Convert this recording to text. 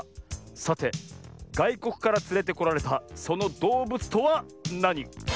さてがいこくからつれてこられたそのどうぶつとはなに？